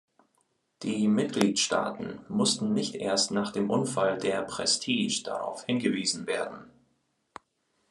Die Mitgliedstaaten mussten nicht erst nach dem Unfall der "Prestige" darauf hingewiesen werden.